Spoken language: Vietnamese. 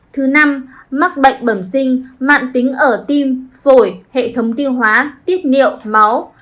thứ năm mắc bệnh bẩm sinh mạng tính ở tim phổi hệ thống tiêu hóa tiết niệu máu